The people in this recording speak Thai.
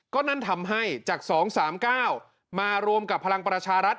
ก็นั่นทำให้จาก๒๓๙มารวมกับพลังประชารัฐ